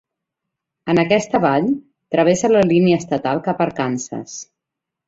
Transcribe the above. En aquesta vall, travessa la línia estatal cap a Arkansas.